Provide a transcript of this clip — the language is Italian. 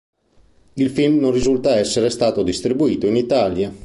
Il film non risulta essere stato distribuito in Italia.